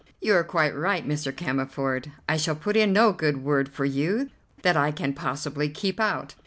"You are quite right, Mr. Cammerford; I shall put in no good word for you that I can possibly keep out.